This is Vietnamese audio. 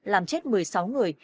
làm chết một mươi sáu người